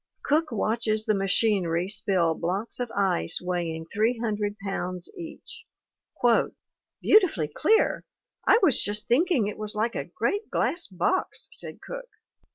Cook watches the machinery spill blocks of ice weighing 300 pounds each. "'Beautifully clear! I was just thinking it was like a great glass box/ said Cook.